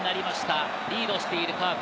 １点リードしているカープ。